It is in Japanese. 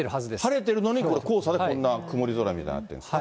晴れてるのに、これ、黄砂でこんな曇り空みたいになってるんですか。